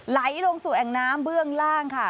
ไหลลงสู่แอ่งน้ำเบื้องล่างค่ะ